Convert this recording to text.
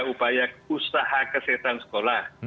upaya usaha kesehatan sekolah